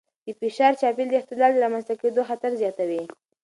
د فشار چاپېریال د اختلال د رامنځته کېدو خطر زیاتوي.